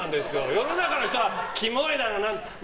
世の中の人はキモいだのなんだの。